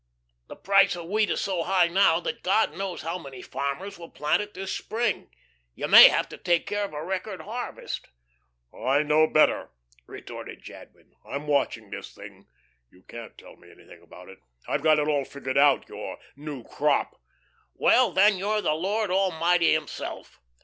"The price of wheat is so high now, that God knows how many farmers will plant it this spring. You may have to take care of a record harvest." "I know better," retorted Jadwin. "I'm watching this thing. You can't tell me anything about it. I've got it all figured out, your 'new crop.'" "Well, then you're the Lord Almighty himself."